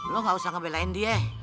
lo gak usah ngebelain dia